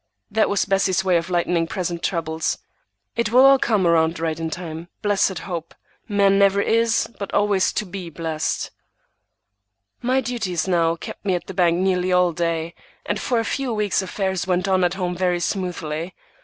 That was Bessie's way of lightening present troubles,—"It will all come around right in time." Blessed hope! "Man never is, but always to be blest." My duties now kept me at the bank nearly all day, and for a few weeks affairs went on at home very smoothly.